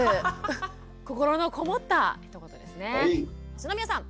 篠宮さん。